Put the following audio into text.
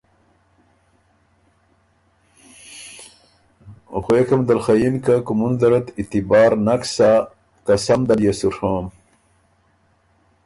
غوېکم دل خه یِن که کُومُن زرت اعتبار نک سۀ قسم دل يې سُو ڒوم